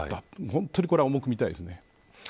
本当にこれは重く見たいです。